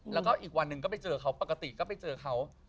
แล้วก็อีกวันหนึ่งก็ไปเจอเขาปกติก็ไปเจอเขา